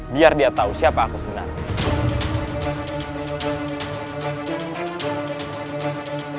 biar dia tahu siapa aku sebenarnya